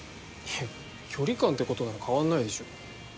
いや距離感ってことなら変わんないでしょ。